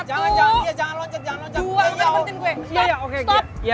dua amkan berhentiin gue